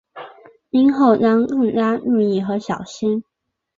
今后将更加注意和小心。